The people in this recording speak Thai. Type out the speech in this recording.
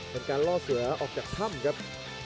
เป็นการล่อเสือออกจากถ้ำครับ